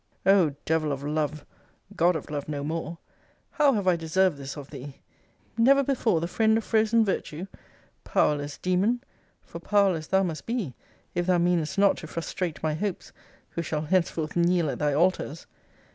O Devil of Love! God of Love no more how have I deserved this of thee! Never before the friend of frozen virtue? Powerless demon, for powerless thou must be, if thou meanedest not to frustrate my hopes; who shall henceforth kneel at thy altars!